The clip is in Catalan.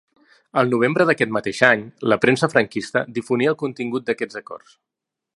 Al novembre d'aquest mateix any la premsa franquista difonia el contingut d'aquests acords.